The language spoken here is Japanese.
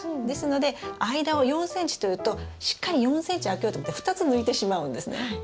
ですので間を４ｃｍというとしっかり４ｃｍ空けようと思って２つ抜いてしまうんですね。